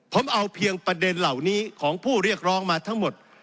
ผมเอาเพียงประเด็นเหล่านี้ของผู้เรียกร้องมาทั้งหมด